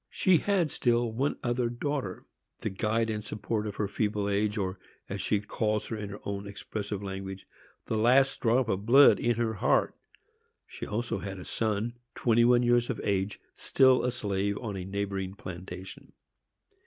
She had still one other daughter, the guide and support of her feeble age, or, as she calls her in her own expressive language, "the last drop of blood in her heart." She had also a son, twenty one years of age, still a slave on a neighboring plantation.